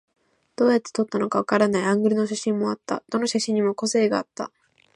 どうやって撮ったのかわからないアングルの写真もあった。どの写真にも個性があった。